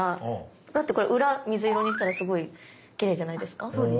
だってこれ裏水色にしたらすごいきれいじゃないですか。